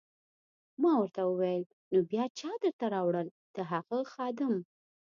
ما ورته وویل: نو بیا چا درته راوړل؟ د هغه خادم.